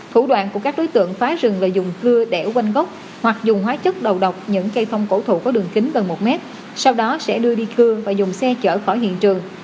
thủ đoạn của các đối tượng phá rừng và dùng cưa đẻo quanh gốc hoặc dùng hóa chất đầu độc những cây thông cổ thụ có đường kính gần một mét sau đó sẽ đưa đi cưa và dùng xe chở khỏi hiện trường